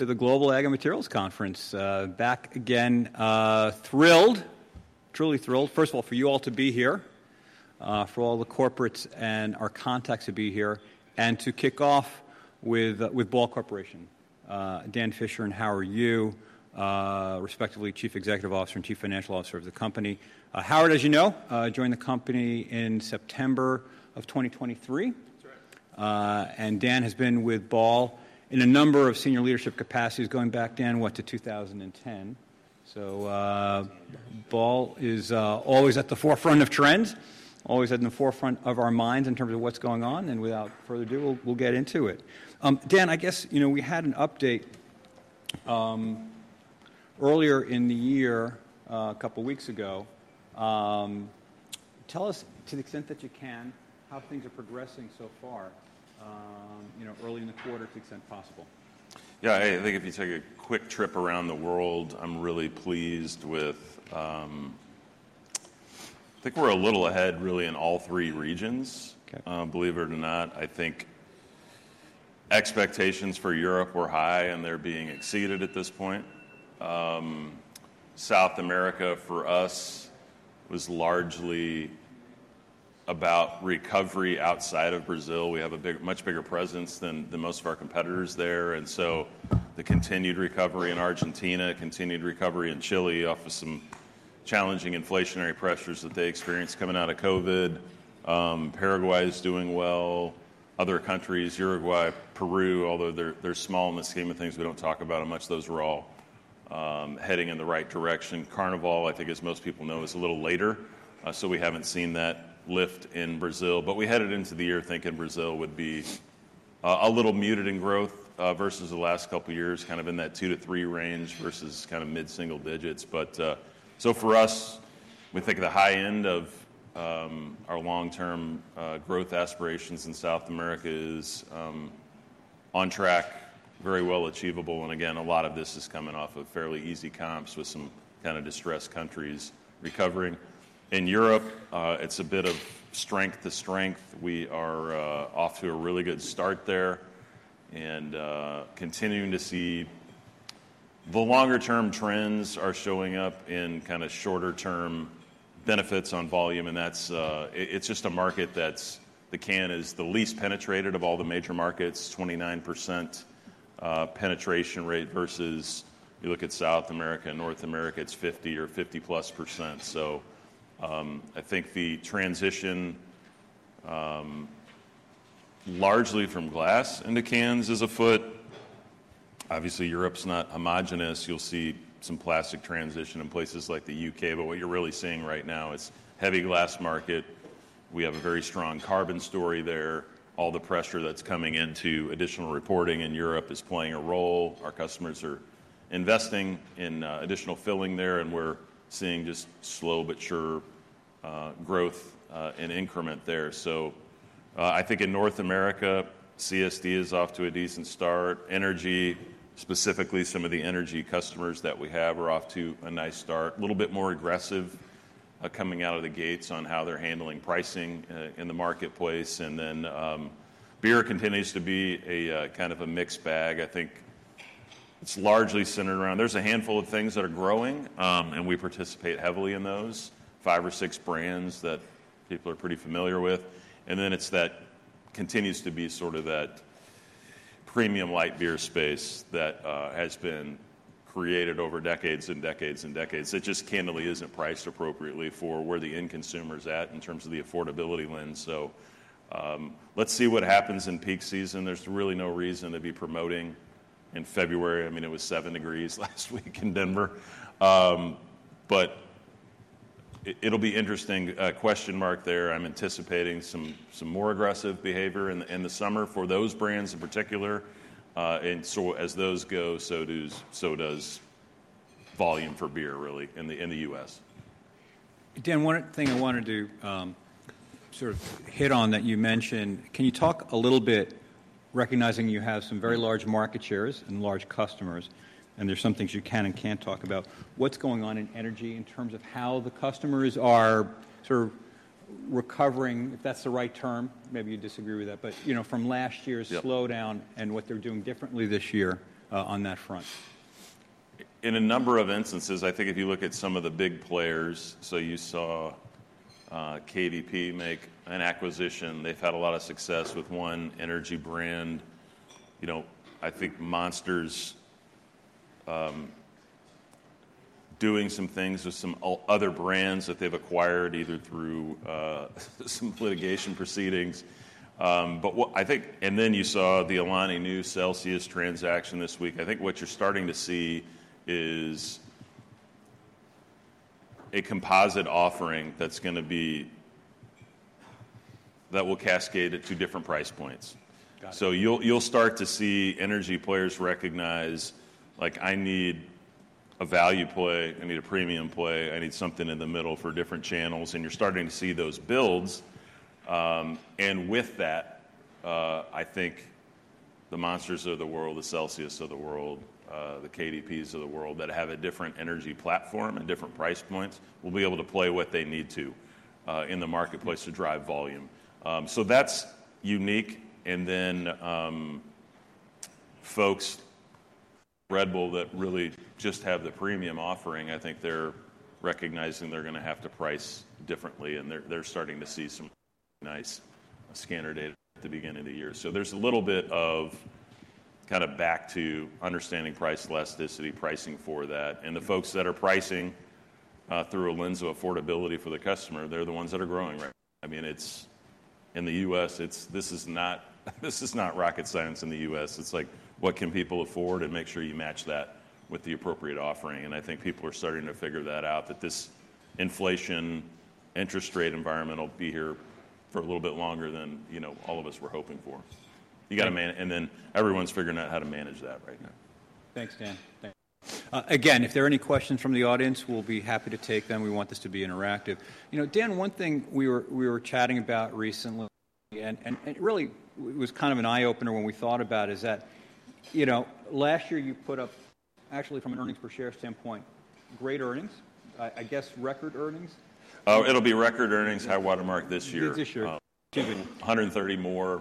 To the Global Ag & Materials Conference, back again, thrilled, truly thrilled, first of all, for you all to be here, for all the corporates and our contacts to be here, and to kick off with, with Ball Corporation. Dan Fisher and Howard Yu, respectively Chief Executive Officer and Chief Financial Officer of the company. Howard, as you know, joined the company in September of 2023. That's right. And Dan has been with Ball in a number of senior leadership capacities going back, Dan, what, to 2010. So, Ball is always at the forefront of trends, always at the forefront of our minds in terms of what's going on. And without further ado, we'll get into it. Dan, I guess, you know, we had an update earlier in the year, a couple weeks ago. Tell us, to the extent that you can, how things are progressing so far, you know, early in the quarter, to the extent possible. Yeah, I think if you take a quick trip around the world, I'm really pleased with, I think, we're a little ahead, really, in all three regions. Okay. Believe it or not, I think expectations for Europe were high, and they're being exceeded at this point. South America, for us, was largely about recovery outside of Brazil. We have a big, much bigger presence than most of our competitors there. And so the continued recovery in Argentina, continued recovery in Chile, off of some challenging inflationary pressures that they experienced coming out of COVID. Paraguay is doing well. Other countries, Uruguay, Peru, although they're small in the scheme of things, we don't talk about them much. Those were all heading in the right direction. Carnival, I think, as most people know, is a little later, so we haven't seen that lift in Brazil. But we headed into the year thinking Brazil would be a little muted in growth, versus the last couple years, kind of in that two to three range versus kind of mid-single digits. So for us, we think the high end of our long-term growth aspirations in South America is on track, very well achievable. And again, a lot of this is coming off of fairly easy comps with some kind of distressed countries recovering. In Europe, it's a bit of strength to strength. We are off to a really good start there. And continuing to see the longer-term trends are showing up in kind of shorter-term benefits on volume. And that's it. It's just a market that's the can is the least penetrated of all the major markets, 29% penetration rate versus you look at South America, North America, it's 50% or 50+%. So I think the transition, largely from glass into cans is afoot. Obviously, Europe's not homogenous. You'll see some plastic transition in places like the U.K. But what you're really seeing right now is heavy glass market. We have a very strong carbon story there. All the pressure that's coming into additional reporting in Europe is playing a role. Our customers are investing in additional filling there. And we're seeing just slow but sure growth in incremental there. So, I think in North America, CSD is off to a decent start. Energy, specifically some of the energy customers that we have are off to a nice start, a little bit more aggressive coming out of the gates on how they're handling pricing in the marketplace. And then beer continues to be a kind of a mixed bag. I think it's largely centered around there's a handful of things that are growing, and we participate heavily in those, five or six brands that people are pretty familiar with. And then it's that continues to be sort of that premium light beer space that has been created over decades and decades and decades that just candidly isn't priced appropriately for where the end consumer's at in terms of the affordability lens. So, let's see what happens in peak season. There's really no reason to be promoting in February. I mean, it was seven degrees Fahrenheit last week in Denver. But it'll be interesting. I'm anticipating some, some more aggressive behavior in the, in the summer for those brands in particular. And so as those go, so does, so does volume for beer, really, in the, in the U.S. Dan, one thing I wanted to sort of hit on that you mentioned, can you talk a little bit, recognizing you have some very large market shares and large customers, and there's some things you can and can't talk about, what's going on in energy in terms of how the customers are sort of recovering, if that's the right term, maybe you disagree with that, but, you know, from last year's slowdown and what they're doing differently this year, on that front? In a number of instances, I think if you look at some of the big players, so you saw KDP make an acquisition. They've had a lot of success with one energy brand. You know, I think Monster's doing some things with some other brands that they've acquired either through some litigation proceedings. But what I think, and then you saw the Alani Nu-Celsius transaction this week. I think what you're starting to see is a composite offering that's going to be that will cascade at two different price points. Got it. So you'll start to see energy players recognize, like, I need a value play, I need a premium play, I need something in the middle for different channels, and you're starting to see those builds, and with that, I think the Monsters of the world, the Celsius of the world, the KDPs of the world that have a different energy platform and different price points will be able to play what they need to, in the marketplace to drive volume, so that's unique, and then, folks, Red Bull that really just have the premium offering, I think they're recognizing they're going to have to price differently, and they're starting to see some nice scanner data at the beginning of the year, so there's a little bit of kind of back to understanding price elasticity, pricing for that. The folks that are pricing through a lens of affordability for the customer, they're the ones that are growing right now. I mean, it's in the U.S. This is not rocket science in the U.S. It's like, what can people afford and make sure you match that with the appropriate offering. I think people are starting to figure that out, that this inflation interest rate environment will be here for a little bit longer than, you know, all of us were hoping for. You got to manage, and then everyone's figuring out how to manage that right now. Thanks, Dan. Again, if there are any questions from the audience, we'll be happy to take them. We want this to be interactive. You know, Dan, one thing we were chatting about recently, and really it was kind of an eye-opener when we thought about it is that, you know, last year you put up, actually from an earnings per share standpoint, great earnings, I guess record earnings. Oh, it'll be record earnings, high watermark this year. This year. 130 more,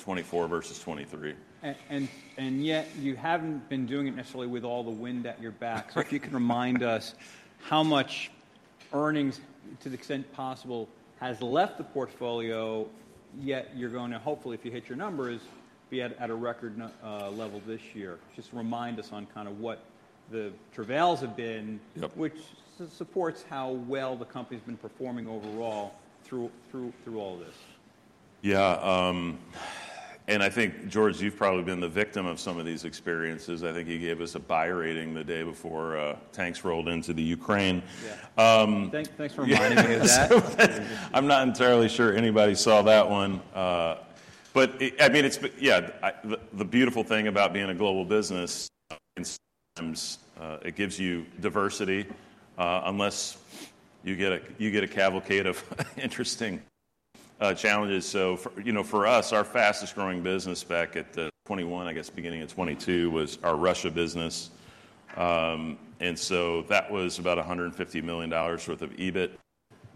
2024 versus 2023. And yet you haven't been doing it necessarily with all the wind at your back. Correct. If you can remind us how much earnings, to the extent possible, has left the portfolio, yet you're going to hopefully, if you hit your numbers, be at a record level this year. Just remind us on kind of what the travails have been. Yep. Which supports how well the company's been performing overall through all of this. Yeah. And I think, George, you've probably been the victim of some of these experiences. I think you gave us a buy rating the day before tanks rolled into the Ukraine. Yeah. Thanks for reminding me of that. I'm not entirely sure anybody saw that one, but I mean, it's yeah, the beautiful thing about being a global business. It gives you diversity, unless you get a cavalcade of interesting challenges. You know, for us, our fastest growing business back at the 2021, I guess beginning of 2022, was our Russia business, and so that was about $150 million worth of EBIT,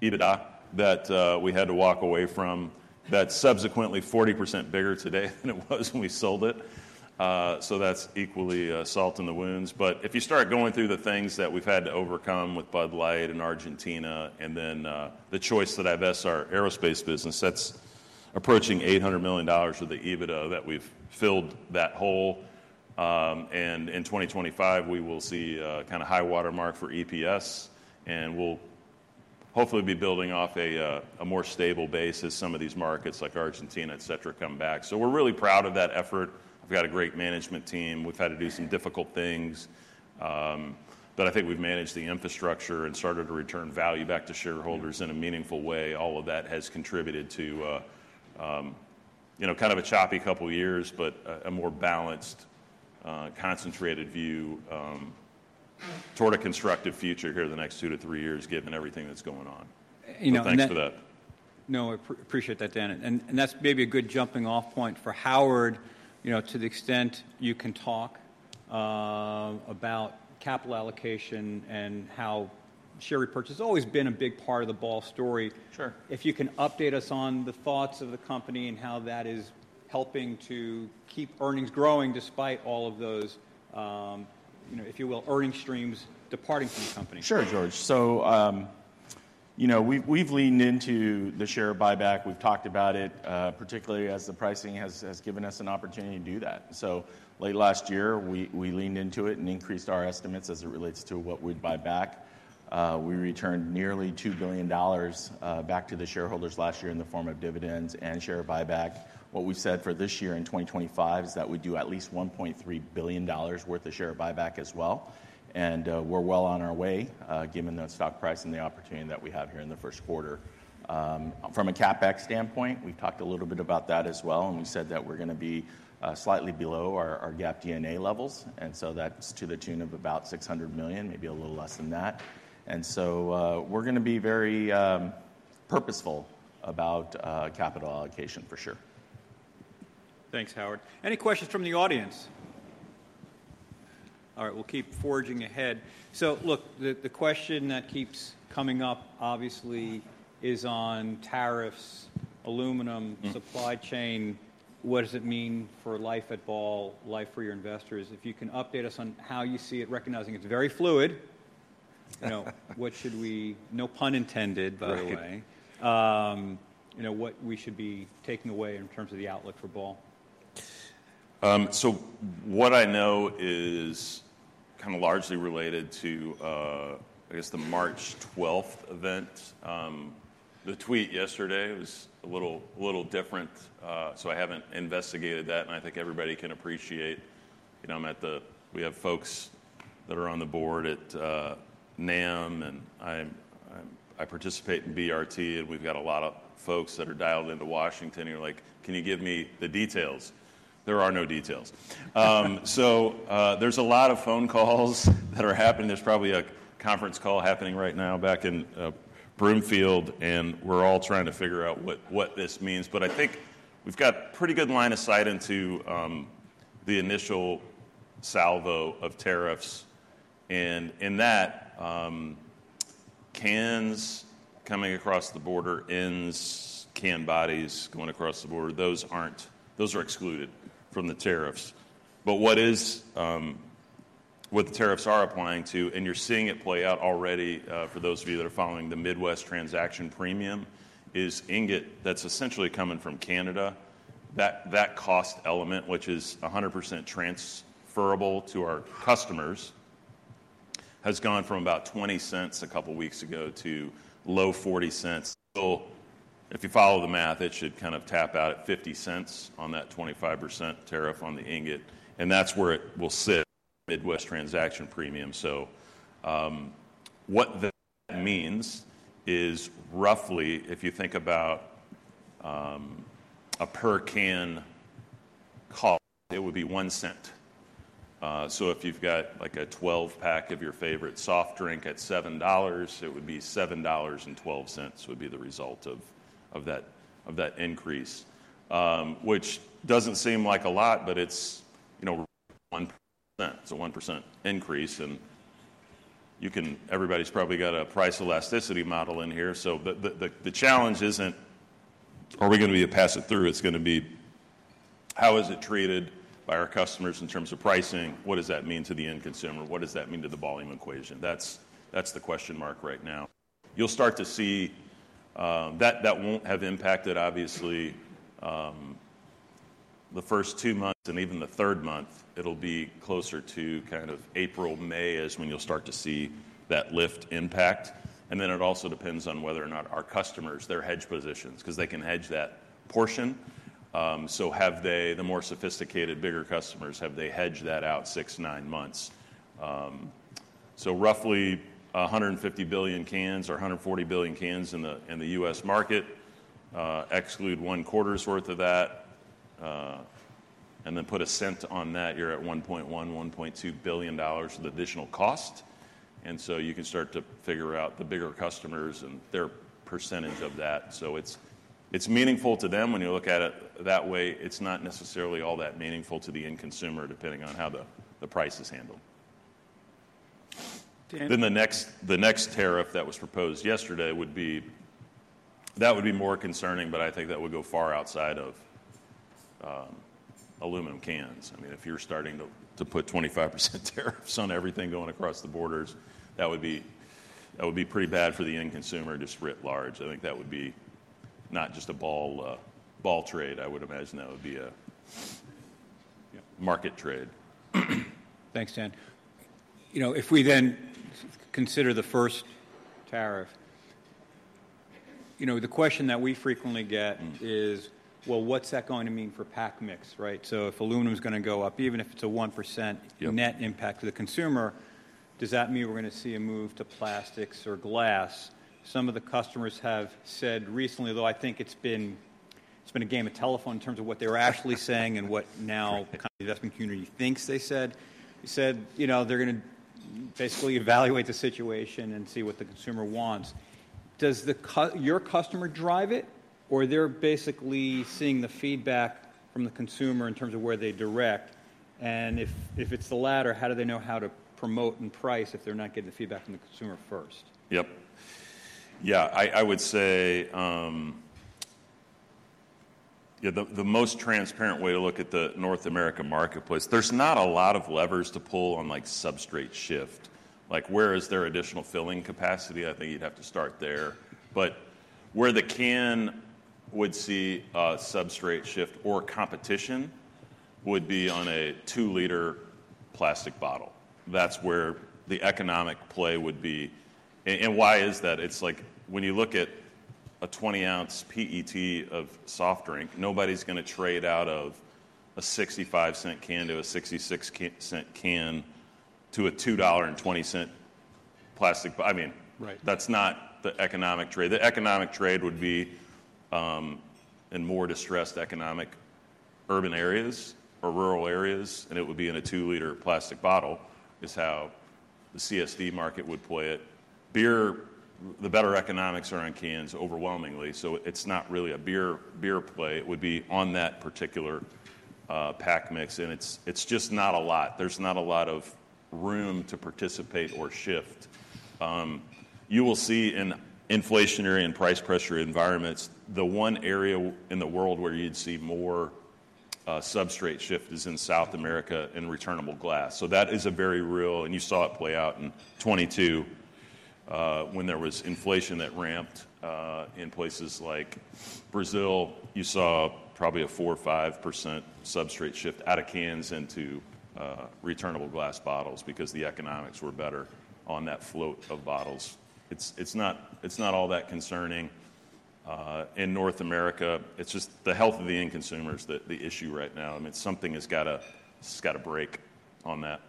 EBITDA that we had to walk away from. That's subsequently 40% bigger today than it was when we sold it, so that's equal salt in the wounds, but if you start going through the things that we've had to overcome with Bud Light and Argentina, and then the choice that I've asked our aerospace business, that's approaching $800 million with the EBITDA that we've filled that hole. And in 2025, we will see a kind of high watermark for EPS, and we'll hopefully be building off a more stable base as some of these markets like Argentina, et cetera, come back. So we're really proud of that effort. We've got a great management team. We've had to do some difficult things. But I think we've managed the infrastructure and started to return value back to shareholders in a meaningful way. All of that has contributed to, you know, kind of a choppy couple of years, but a more balanced, concentrated view toward a constructive future here the next two to three years, given everything that's going on. You know. Thanks for that. No, I appreciate that, Dan. And that's maybe a good jumping-off point for Howard, you know, to the extent you can talk about capital allocation and how share repurchase has always been a big part of the Ball story. Sure. If you can update us on the thoughts of the company and how that is helping to keep earnings growing despite all of those, you know, if you will, earnings streams departing from the company? Sure, George. So, you know, we've leaned into the share buyback. We've talked about it, particularly as the pricing has given us an opportunity to do that. So late last year, we leaned into it and increased our estimates as it relates to what we'd buy back. We returned nearly $2 billion back to the shareholders last year in the form of dividends and share buyback. What we've said for this year in 2025 is that we do at least $1.3 billion worth of share buyback as well. And, we're well on our way, given the stock price and the opportunity that we have here in the first quarter. From a CapEx standpoint, we've talked a little bit about that as well. And we said that we're going to be slightly below our GAAP D&A levels. And so that's to the tune of about $600 million, maybe a little less than that. And so, we're going to be very purposeful about capital allocation for sure. Thanks, Howard. Any questions from the audience? All right, we'll keep forging ahead. So look, the question that keeps coming up, obviously, is on tariffs, aluminum, supply chain. What does it mean for life at Ball, life for your investors? If you can update us on how you see it, recognizing it's very fluid, you know, what should we, no pun intended, by the way, you know, what we should be taking away in terms of the outlook for Ball? So what I know is kind of largely related to, I guess the March 12th event. The tweet yesterday was a little, a little different. So I haven't investigated that. And I think everybody can appreciate, you know, I'm at the, we have folks that are on the board at NAM, and I, I participate in BRT, and we've got a lot of folks that are dialed into Washington. You're like, can you give me the details? There are no details. So, there's a lot of phone calls that are happening. There's probably a conference call happening right now back in Broomfield, and we're all trying to figure out what, what this means. But I think we've got a pretty good line of sight into the initial salvo of tariffs. And in that, cans coming across the border, and cans, can bodies going across the border, those aren't, those are excluded from the tariffs. But what is, what the tariffs are applying to, and you're seeing it play out already, for those of you that are following the Midwest Transaction Premium, is ingot that's essentially coming from Canada. That cost element, which is 100% transferable to our customers, has gone from about $0.20 a couple of weeks ago to low $0.40. So if you follow the math, it should kind of tap out at $0.50 on that 25% tariff on the ingot. And that's where it will sit, Midwest Transaction Premium. So, what that means is roughly, if you think about a per-can cost, it would be $0.01. So if you've got like a 12-pack of your favorite soft drink at $7, it would be $7.12, which would be the result of that increase, which doesn't seem like a lot, but it's, you know, 1%. It's a 1% increase. And you can, everybody's probably got a price elasticity model in here. So the challenge isn't, are we going to pass it through? It's going to be, how is it treated by our customers in terms of pricing? What does that mean to the end consumer? What does that mean to the volume equation? That's the question mark right now. You'll start to see that won't have impacted, obviously, the first two months and even the third month. It'll be closer to kind of April, May, when you'll start to see that lift impact. And then it also depends on whether or not our customers' hedge positions, because they can hedge that portion. So have they, the more sophisticated, bigger customers, have they hedged that out six, nine months? So roughly 150 billion cans or 140 billion cans in the U.S. market, exclude one quarter's worth of that, and then put a cent on that, you're at $1.1 billion-$1.2 billion of additional cost. And so you can start to figure out the bigger customers and their percentage of that. So it's meaningful to them when you look at it that way. It's not necessarily all that meaningful to the end consumer, depending on how the price is handled. Then the next tariff that was proposed yesterday would be more concerning, but I think that would go far outside of aluminum cans. I mean, if you're starting to put 25% tariffs on everything going across the borders, that would be pretty bad for the end consumer just writ large. I think that would be not just a Ball trade. I would imagine that would be a market trade. Thanks, Dan. You know, if we then consider the first tariff, you know, the question that we frequently get is, well, what's that going to mean for pack mix, right? So if aluminum is going to go up, even if it's a 1% net impact to the consumer, does that mean we're going to see a move to plastics or glass? Some of the customers have said recently, though, I think it's been a game of telephone in terms of what they were actually saying and what now the investment community thinks they said. You said, you know, they're going to basically evaluate the situation and see what the consumer wants. Does your customer drive it, or they're basically seeing the feedback from the consumer in terms of where they direct? If it's the latter, how do they know how to promote and price if they're not getting the feedback from the consumer first? Yep. Yeah, I would say, yeah, the most transparent way to look at the North America marketplace, there's not a lot of levers to pull on like substrate shift. Like where is there additional filling capacity? I think you'd have to start there. But where the can would see a substrate shift or competition would be on a two-liter plastic bottle. That's where the economic play would be. And why is that? It's like when you look at a 20-ounce PET of soft drink, nobody's going to trade out of a $0.65 can to a $0.66 can to a $2.20 plastic bottle. I mean, that's not the economic trade. The economic trade would be, in more distressed economic urban areas or rural areas, and it would be in a two-liter plastic bottle is how the CSD market would play it. Beer, the better economics are on cans overwhelmingly. So it's not really a beer, beer play. It would be on that particular pack mix. And it's just not a lot. There's not a lot of room to participate or shift. You will see in inflationary and price pressure environments, the one area in the world where you'd see more substrate shift is in South America and returnable glass. So that is a very real, and you saw it play out in 2022, when there was inflation that ramped in places like Brazil. You saw probably a 4% or 5% substrate shift out of cans into returnable glass bottles because the economics were better on that float of bottles. It's not all that concerning in North America. It's just the health of the end consumers that's the issue right now. I mean, something has got to. It's got to break on that.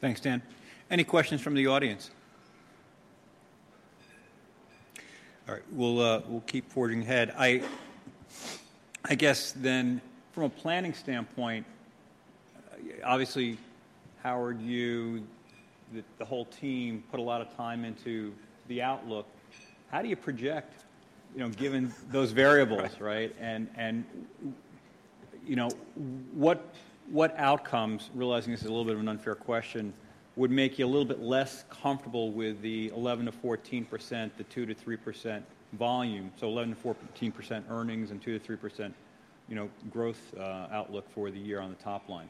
Thanks, Dan. Any questions from the audience? All right, we'll keep forging ahead. I guess then from a planning standpoint, obviously, Howard, you, the whole team put a lot of time into the outlook. How do you project, you know, given those variables, right? And you know, what outcomes, realizing this is a little bit of an unfair question, would make you a little bit less comfortable with the 11%-14%, the 2%-3% volume? So 11%-14% earnings and 2%-3%, you know, growth, outlook for the year on the top line.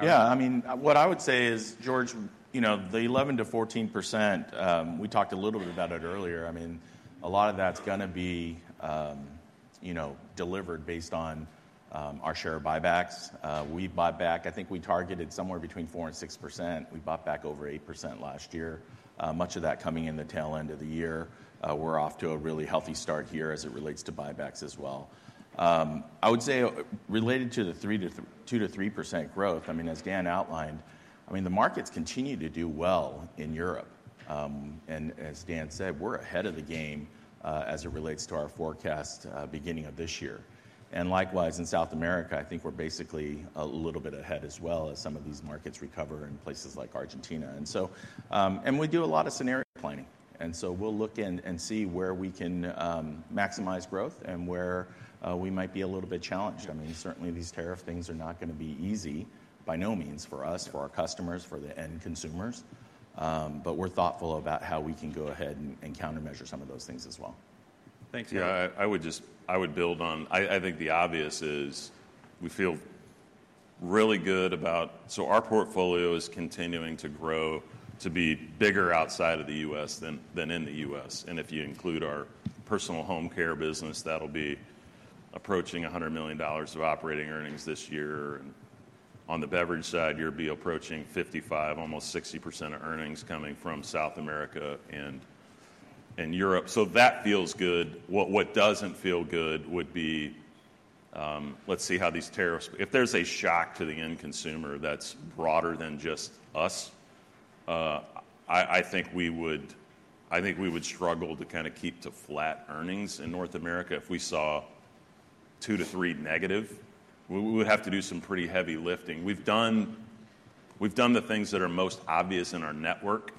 Yeah, I mean, what I would say is, George, you know, the 11%-14%, we talked a little bit about it earlier. I mean, a lot of that's going to be, you know, delivered based on, our share buybacks. We bought back, I think we targeted somewhere between 4% and 6%. We bought back over 8% last year. Much of that coming in the tail end of the year. We're off to a really healthy start here as it relates to buybacks as well. I would say related to the 3%-2%-3% growth, I mean, as Dan outlined, I mean, the markets continue to do well in Europe. And as Dan said, we're ahead of the game, as it relates to our forecast, beginning of this year. And likewise in South America, I think we're basically a little bit ahead as well as some of these markets recover in places like Argentina. And so, we do a lot of scenario planning. And so we'll look in and see where we can maximize growth and where we might be a little bit challenged. I mean, certainly these tariff things are not going to be easy by no means for us, for our customers, for the end consumers. But we're thoughtful about how we can go ahead and countermeasure some of those things as well. Thanks, Dan. Yeah, I would just, I would build on. I think the obvious is we feel really good about, so our portfolio is continuing to grow to be bigger outside of the U.S. than, than in the U.S. And if you include our personal home care business, that'll be approaching $100 million of operating earnings this year. And on the beverage side, you'll be approaching 55, almost 60% of earnings coming from South America and, and Europe. So that feels good. What, what doesn't feel good would be, let's see how these tariffs, if there's a shock to the end consumer that's broader than just us, I, I think we would, I think we would struggle to kind of keep to flat earnings in North America. If we saw two to three negative, we, we would have to do some pretty heavy lifting. We've done the things that are most obvious in our network,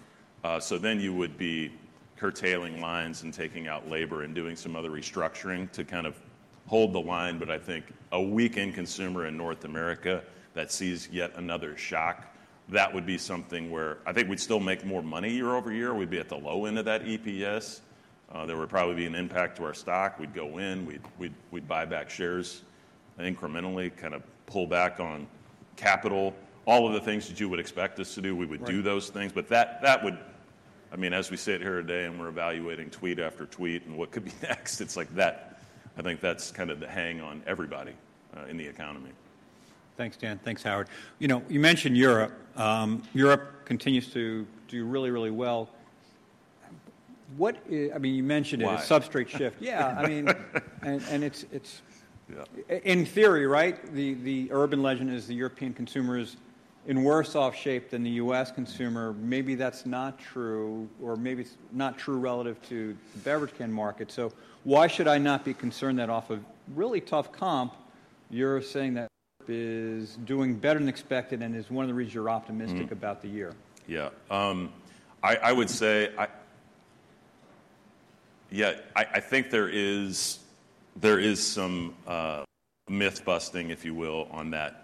so then you would be curtailing lines and taking out labor and doing some other restructuring to kind of hold the line. But I think a weak end consumer in North America that sees yet another shock, that would be something where I think we'd still make more money year over year. We'd be at the low end of that EPS. There would probably be an impact to our stock. We'd go in, we'd buy back shares incrementally, kind of pull back on capital, all of the things that you would expect us to do. We would do those things, but that would, I mean, as we sit here today and we're evaluating tweet after tweet and what could be next, it's like that. I think that's kind of the hang on everybody in the economy. Thanks, Dan. Thanks, Howard. You know, you mentioned Europe. Europe continues to do really, really well. What is, I mean, you mentioned it, a substrate shift. Yeah. I mean, and, and it's, it's in theory, right? The, the urban legend is the European consumer is in worse off shape than the U.S. consumer. Maybe that's not true, or maybe it's not true relative to the beverage can market. So why should I not be concerned that off of really tough comp? You're saying that is doing better than expected and is one of the reasons you're optimistic about the year. Yeah. I would say, yeah, I think there is some myth busting, if you will, on that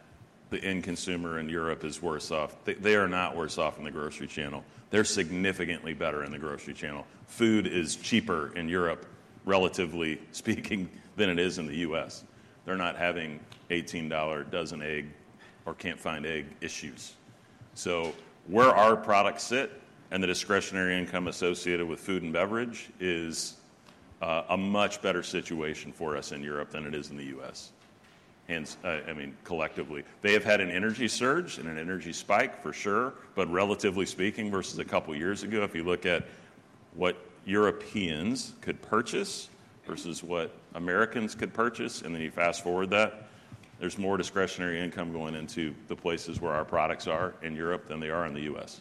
the end consumer in Europe is worse off. They are not worse off in the grocery channel. They're significantly better in the grocery channel. Food is cheaper in Europe, relatively speaking, than it is in the U.S. They're not having $18 a dozen eggs or can't find eggs issues. So where our products sit and the discretionary income associated with food and beverage is a much better situation for us in Europe than it is in the U.S. I mean, collectively, they have had an energy surge and an energy spike for sure, but relatively speaking versus a couple of years ago, if you look at what Europeans could purchase versus what Americans could purchase, and then you fast forward that, there's more discretionary income going into the places where our products are in Europe than they are in the U.S.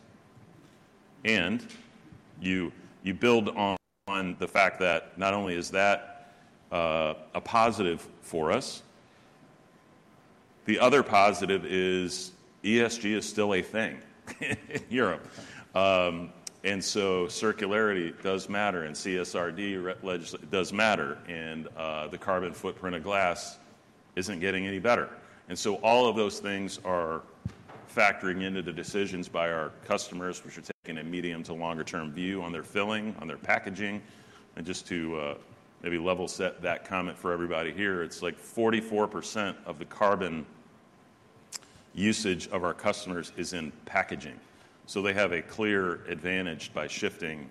You build on the fact that not only is that a positive for us, the other positive is ESG is still a thing in Europe, and so circularity does matter and CSRD legislation does matter. The carbon footprint of glass isn't getting any better. So all of those things are factoring into the decisions by our customers, which are taking a medium to longer term view on their filling, on their packaging. And just to maybe level set that comment for everybody here, it's like 44% of the carbon usage of our customers is in packaging. So they have a clear advantage by shifting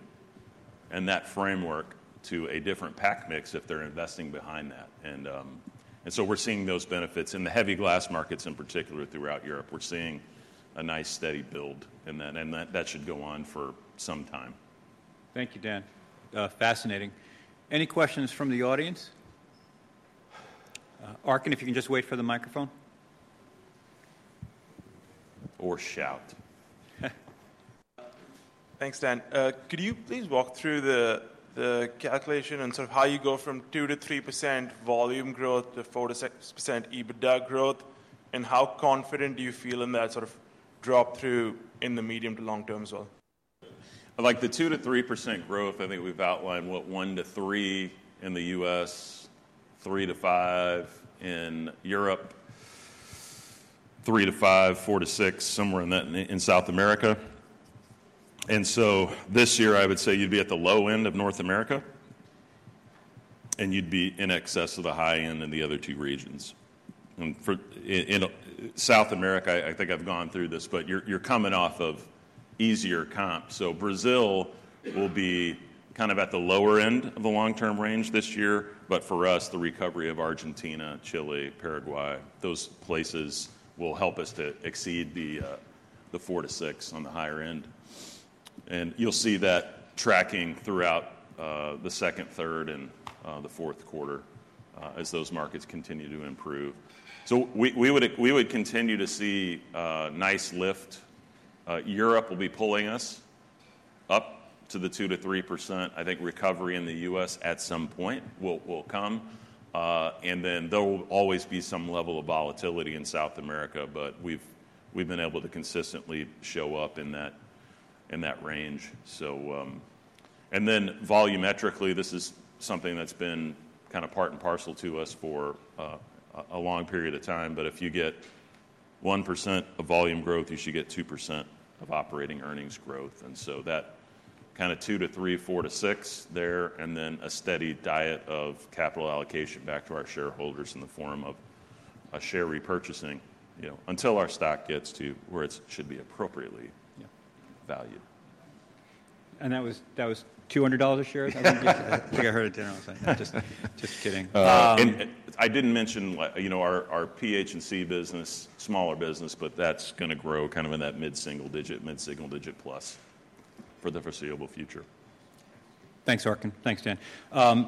and that framework to a different pack mix if they're investing behind that. And so we're seeing those benefits in the heavy glass markets in particular throughout Europe. We're seeing a nice steady build in that, and that should go on for some time. Thank you, Dan. Fascinating. Any questions from the audience? Arkan, if you can just wait for the microphone. Or shout. Thanks, Dan. Could you please walk through the calculation and sort of how you go from 2%-3% volume growth to 4%-6% EBITDA growth? And how confident do you feel in that sort of drop through in the medium to long term as well? Like the 2%-3% growth, I think we've outlined what 1%-3% in the U.S., 3%-5% in Europe, 3%-5%, 4%-6%, somewhere in that in South America. And so this year, I would say you'd be at the low end of North America and you'd be in excess of the high end in the other two regions. And for in South America, I think I've gone through this, but you're coming off of easier comp. So Brazil will be kind of at the lower end of the long term range this year. But for us, the recovery of Argentina, Chile, Paraguay, those places will help us to exceed the 4%-6% on the higher end. And you'll see that tracking throughout the second, third, and fourth quarter, as those markets continue to improve. So we would continue to see nice lift. Europe will be pulling us up to the 2%-3%. I think recovery in the U.S. at some point will come. And then there will always be some level of volatility in South America, but we've been able to consistently show up in that range. So, and then volumetrically, this is something that's been kind of part and parcel to us for a long period of time. But if you get 1% of volume growth, you should get 2% of operating earnings growth. And so that kind of 2%-3%, 4%-6% there, and then a steady diet of capital allocation back to our shareholders in the form of a share repurchasing, you know, until our stock gets to where it should be appropriately, you know, valued. That was $200 a share. I think I heard a general. I'm just kidding. and I didn't mention, you know, our PH&C business, smaller business, but that's going to grow kind of in that mid-single digit, mid-single digit plus for the foreseeable future. Thanks, Arkan. Thanks, Dan.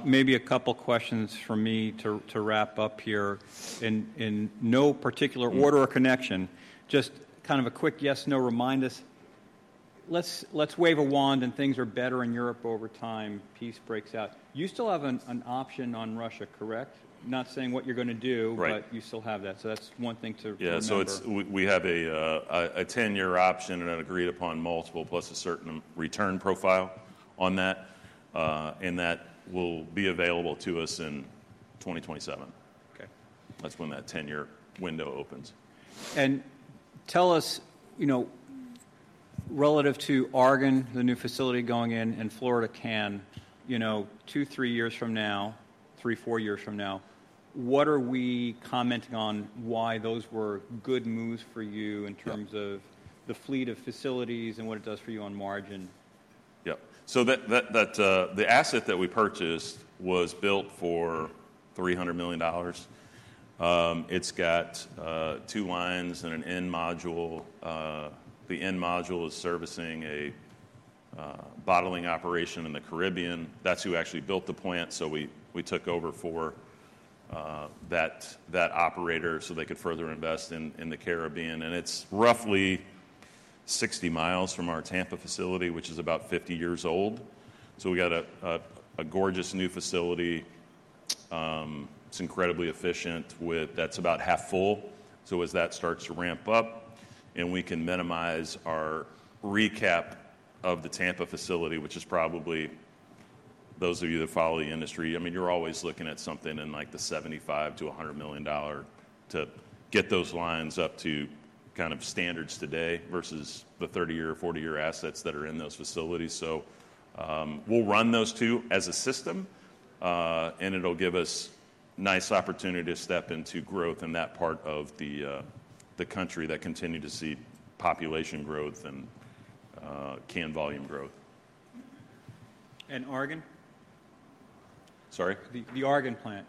Maybe a couple of questions for me to wrap up here in no particular order or connection, just kind of a quick yes/no. Remind us. Let's wave a wand and things are better in Europe over time. Peace breaks out. You still have an option on Russia, correct? Not saying what you're going to do, but you still have that. So that's one thing to remember. Yeah. So it's, we have a 10-year option and an agreed upon multiple plus a certain return profile on that, and that will be available to us in 2027. Okay. That's when that 10-year window opens. Tell us, you know, relative to Oregon, the new facility going in and Florida Can, you know, two, three years from now, three, four years from now, what are we commenting on why those were good moves for you in terms of the fleet of facilities and what it does for you on margin? Yep. So that the asset that we purchased was built for $300 million. It's got two lines and an end module. The end module is servicing a bottling operation in the Caribbean. That's who actually built the plant. So we took over for that operator so they could further invest in the Caribbean. And it's roughly 60 mi from our Tampa facility, which is about 50 years old. So we got a gorgeous new facility. It's incredibly efficient with that's about half full. So as that starts to ramp up and we can minimize our recap of the Tampa facility, which is probably those of you that follow the industry. I mean, you're always looking at something in like the $75 million-$100 million to get those lines up to kind of standards today versus the 30-year or 40-year assets that are in those facilities. So, we'll run those two as a system, and it'll give us nice opportunity to step into growth in that part of the country that continue to see population growth and can volume growth. And Oregon? Sorry? The Oregon plant.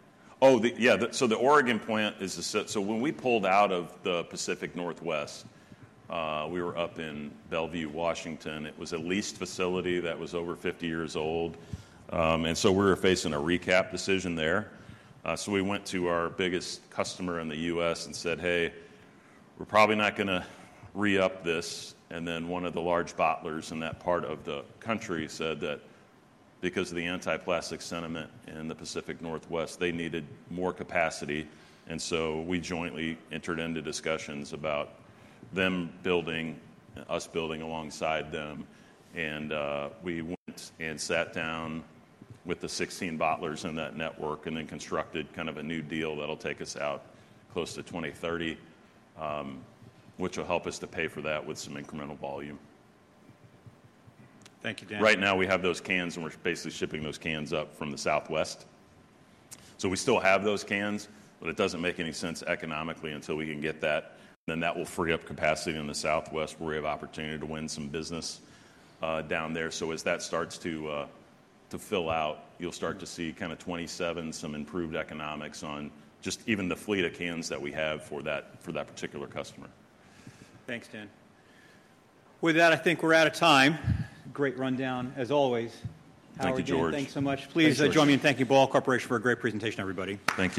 So the Oregon plant is a set. So when we pulled out of the Pacific Northwest, we were up in Bellevue, Washington. It was a leased facility that was over 50 years old. And so we were facing a recap decision there. So we went to our biggest customer in the U.S. and said, "Hey, we're probably not going to re-up this." And then one of the large bottlers in that part of the country said that because of the anti-plastic sentiment in the Pacific Northwest, they needed more capacity. And so we jointly entered into discussions about them building, us building alongside them. And we went and sat down with the 16 bottlers in that network and then constructed kind of a new deal that'll take us out close to 2030, which will help us to pay for that with some incremental volume. Thank you, Dan. Right now we have those cans and we're basically shipping those cans up from the Southwest. So we still have those cans, but it doesn't make any sense economically until we can get that. Then that will free up capacity in the Southwest where we have opportunity to win some business, down there. So as that starts to fill out, you'll start to see kind of some improved economics on just even the fleet of cans that we have for that particular customer. Thanks, Dan. With that, I think we're out of time. Great rundown as always. Thank you, George. Thanks so much. Please join me in thanking Ball Corporation for a great presentation, everybody. Thank you.